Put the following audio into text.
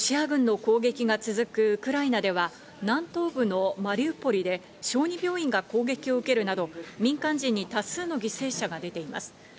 ウクライナでは南東部のマリウポリで小児病院が攻撃を受けるなど、民間人に多数の犠牲者が出ています。